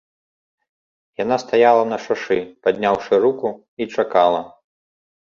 Яна стаяла на шашы, падняўшы руку, і чакала.